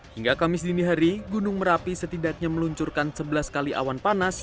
hingga kamis dini hari gunung merapi setidaknya meluncurkan sebelas kali awan panas